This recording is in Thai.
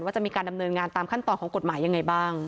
จะมีการดำเนินงานตามขั้นตอนของกฎหมายยังไงบ้าง